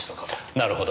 なるほど。